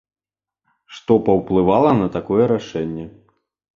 Што паўплывала на такое рашэнне?